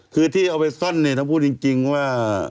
คือที่เอาไปซ่อนเนี่ยถ้าพูดจริงว่า